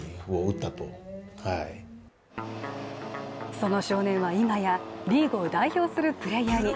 その少年は今やリーグを代表するプレーヤーに。